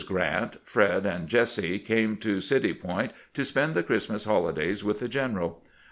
Grant, Fred, and Jesse came to City Point to spend the Christmas holidays with the general.